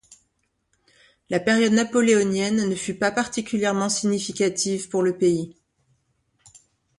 La période napoléonienne ne fut pas particulièrement significative pour le pays.